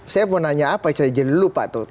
saya mau nanya apa saya jadi lupa tuh